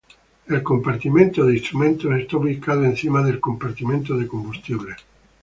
El compartimento para instrumentos está ubicado encima del compartimento de combustible.